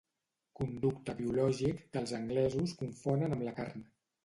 Conducte biològic que els anglesos confonen amb la carn.